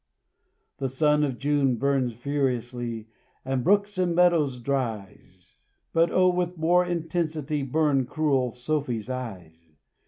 The sun of June burns furiously, And brooks and meadows dries; But, oh, with more intensity Burn cruel Sophy's eyes!